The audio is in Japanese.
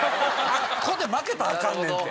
あっこで負けたらアカンねんて。